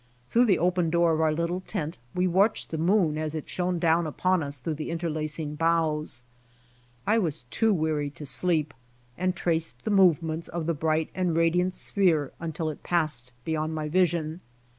Through the open door of. our little tent, we watched the mjoon as it shone down upon us through the interlacing boughs. I was too weary to sleep, and traced the movements of the bright and radiant sphere until it passed beyond my vision.